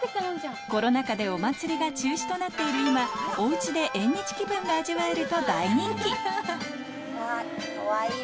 コロナ禍でお祭りが中止となっている今おうちで縁日気分が味わえると大人気かわいい！